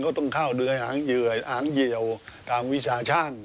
ก็ต้องเข้าเดือยอางเยี่ยวอางเยี่ยวตามวิชาช่าง